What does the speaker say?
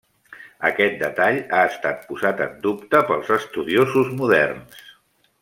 Aquest detall ha estat posat en dubte pels estudiosos moderns.